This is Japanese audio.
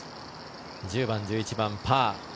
１０番、１１番、パー。